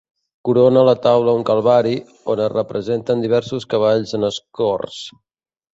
Corona la taula un Calvari, on es representen diversos cavalls en escorç.